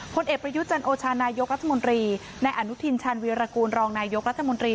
ผลเอกประยุจันโอชานายกรัฐมนตรีในอนุทินชาญวีรกูลรองนายกรัฐมนตรี